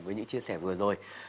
với những chia sẻ vừa rồi